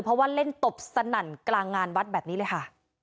เพราะว่าเล่นตบสนั่นกลางงานวัดแบบนี้เลยค่ะ